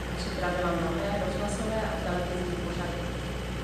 Připravila mnohé rozhlasové a televizní pořady.